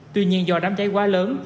tuy nhiên do đám cháy quá lớn